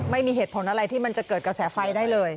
ไม่มีเหตุผลอะไรที่มันจะเกิดกระแสไฟได้เลย